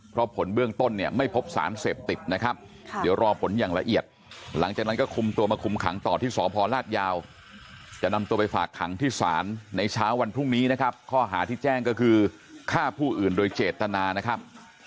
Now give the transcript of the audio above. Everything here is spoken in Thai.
เพราะผลเบื้องต้นเนี่ยไม่พบสารเสพติดนะครับเดี๋ยวรอผลอย่างละเอียดหลังจากนั้นก็คุมตัวมาคุมขังต่อที่สพลาดยาวจะนำตัวไปฝากขังที่ศาลในเช้าวันพรุ่งนี้นะครับข้อหาที่แจ้งก็คือฆ่าผู้อื่นโดยเจตนานะครับ